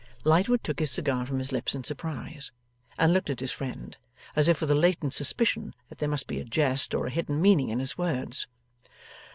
Lightwood took his cigar from his lips in surprise, and looked at his friend, as if with a latent suspicion that there must be a jest or hidden meaning in his words.